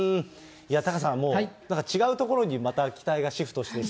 タカさん、もう違うところにまた期待がシフトしてしまって。